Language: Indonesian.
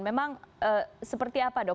memang seperti apa dok